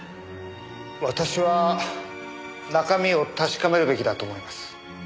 私は中身を確かめるべきだと思います。